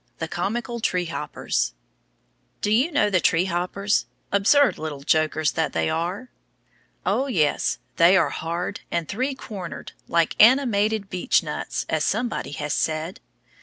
THE COMICAL TREE HOPPERS Do you know the tree hoppers, absurd little jokers that they are? Oh, yes, they are hard and three cornered, like animated beechnuts, as somebody has said.